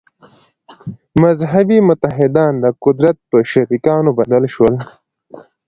«مذهبي متحدان» د قدرت په شریکانو بدل شول.